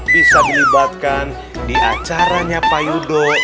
bisa melibatkan di acaranya pak yudho